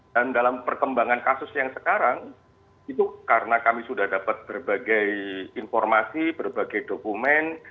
dan dalam perkembangan kasus yang sekarang itu karena kami sudah dapat berbagai informasi berbagai dokumen